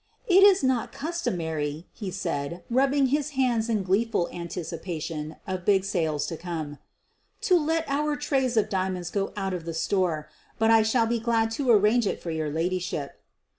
"It is not customary,' ' he said, rubbing his hands in gleeful anticipation of big sales to come, "to let our trays of diamonds go out of the store, but I shall be glad to arrange it for your lady ship.'